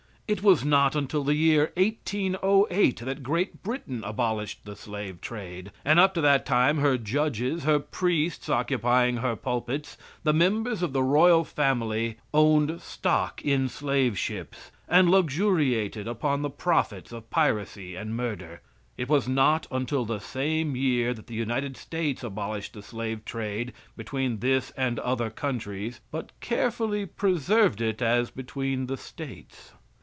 It was not until the year 1808 that Great Britain abolished the slave trade, and up to that time her judges, her priests occupying her pulpits, the members of the royal family, owned stock in the slave ships, and luxuriated upon the profits of piracy and murder. It was not until the same year that the United States of America abolished the slave trade between this and other countries, but carefully preserved it as between the states.